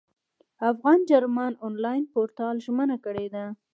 افغان جرمن انلاین پورتال ژمنه کړې ده.